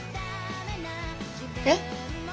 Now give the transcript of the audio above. えっ？